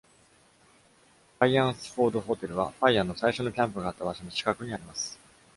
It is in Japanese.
Fyansford Hotel は、Fyan の最初のキャンプがあった場所の近くにあります。